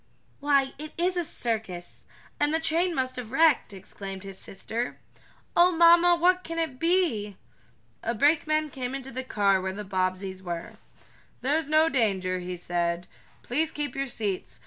"Why, it is a circus and the train must have been wrecked!" exclaimed his sister. "Oh mamma, what can it be?" A brakeman came into the car where the Bobbseys were. "There's no danger," he said. "Please keep your seats.